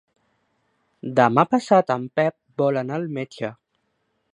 Demà passat en Pep vol anar al metge.